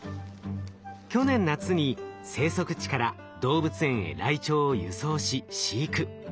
去年夏に生息地から動物園へライチョウを輸送し飼育。